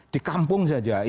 di kampung saja